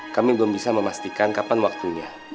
kami belum bisa memastikan kapan waktunya